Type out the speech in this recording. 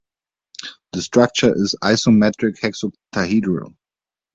The structure is isometric-hexoctahedral.